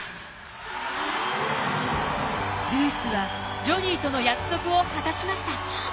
ルースはジョニーとの約束を果たしました。